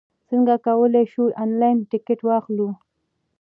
څنګه کولای شو، انلاین ټکټ واخلو؟